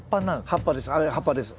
葉っぱです。